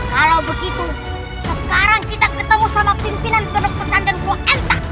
kalau begitu sekarang kita ketemu sama pimpinan penerpesan dan kuantah